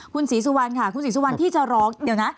คุณศรีสุวรรณค่ะคุณศรีสุวรรณที่จะร้องเดี๋ยวนะ